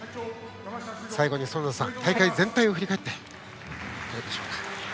最後に、園田さん大会全体を振り返っていかがでしょうか。